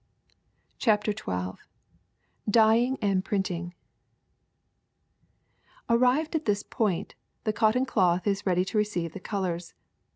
CHAPTER XII DYEING AND FEINTING ^ RRIVED at this point, the cotton cloth is ready A' to receive the colors.